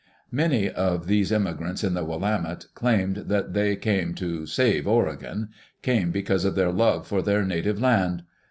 Many of these immigrants in the Willamette claimed that they came to " save Oregon "— came because of their love for their native land.